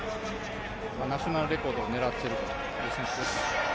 ナショナルレコードを狙っているという選手です。